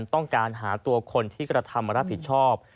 ต้องการหาตัวคนที่กระทำมารับผิดชอบ